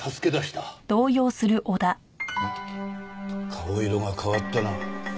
顔色が変わったな。